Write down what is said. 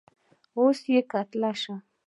اوس یې کتلی شم؟